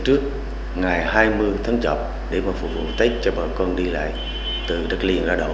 trước ngày hai mươi tháng chọc để phục vụ tết cho bọn con đi lại từ đất liền ra đổ